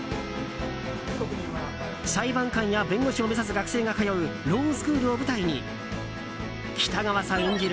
裁判官や弁護士を目指す学生が通うロースクールを舞台に北川さん演じる